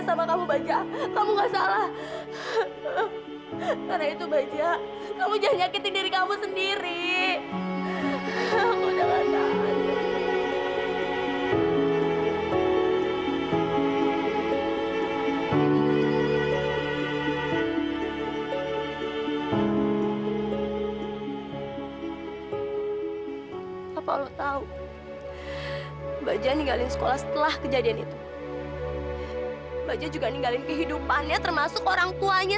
sampai jumpa di video selanjutnya